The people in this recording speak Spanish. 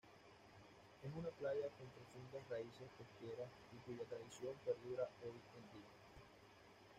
Es una playa con profundas raíces pesqueras y cuya tradición perdura hoy en día.